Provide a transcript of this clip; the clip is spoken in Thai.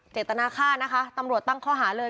เจตนาฆ่านะคะตำรวจตั้งข้อหาเลย